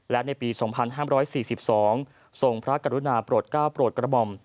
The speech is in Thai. และในปี๒๕๔๒ส่งพระกรุณาโปรด๙โปรดกระบ่ม